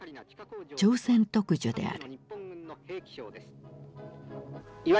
朝鮮特需である。